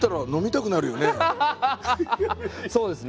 そうですね。